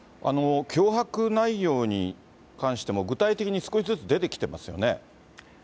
脅迫内容に関しても、具体的に少しずつ出てきてますよね。